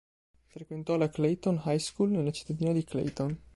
Frequentò la Clayton High School nella cittadina di Clayton.